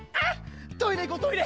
トイレいこうトイレ！